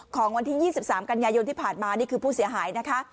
ของวันที่๒๓กันยายนที่ผ่านมานี่คือผู้เสียหายนะคะ